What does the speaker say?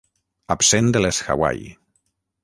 Absent de les Hawaii.